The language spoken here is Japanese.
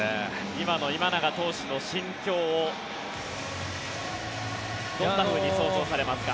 今の今永投手の心境をどんなふうに想像されますか。